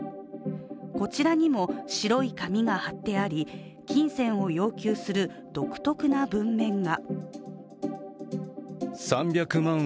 こちらにも白い紙が貼ってあり、金銭を要求する独特な文面が。